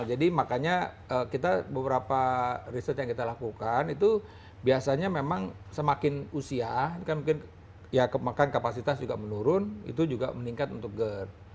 jadi makanya kita beberapa riset yang kita lakukan itu biasanya memang semakin usia ya mungkin makanan kapasitas juga menurun itu juga meningkat untuk ger